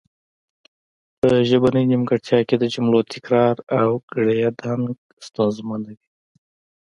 په ژبنۍ نیمګړتیا کې د جملو تکرار او ګړیدنګ ستونزمن وي